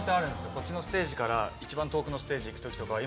こっちのステージから一番遠くのステージ行く時とかは今。